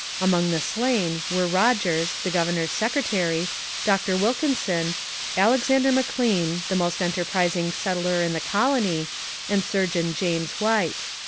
Among the slain were Rogers, the governor's secretary, Doctor Wilkinson, Alexander M'Lean, the most enterprising settler in the colony, and Surgeon James White.